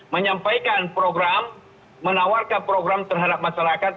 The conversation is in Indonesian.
menyampaikan program menawarkan program terhadap masyarakat